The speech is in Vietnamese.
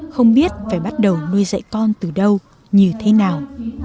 không biết phải bắt đầu nuôi dạy con từ đâu như thế nào